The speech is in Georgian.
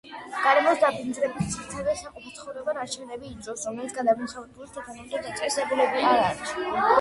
გარემოს დაბინძურებას ძირითადად საყოფაცხოვრებო ნარჩენები იწვევს, რომელთა გადამამუშავებელი სათანადო დაწესებულებები არ არის.